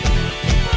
saya yang menang